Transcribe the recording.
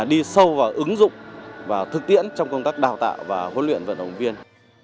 đi sâu vào ứng dụng và thực tiễn trong công tác đào tạo và huấn luyện vận động viên